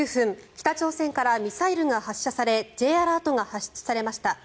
北朝鮮からミサイルが発射されＪアラートが発出されました。